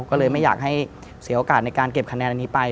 ก็เลยไม่อยากให้เสียโอกาสในการเก็บคะแนนอันนี้ไป